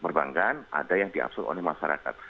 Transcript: perbankan ada yang diabsor oleh masyarakat